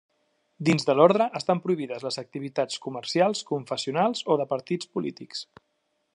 Dins de l'Orde estan prohibides les activitats comercials, confessionals o de partits polítics.